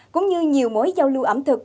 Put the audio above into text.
cũng như nhiều mối giao lưu ẩm thực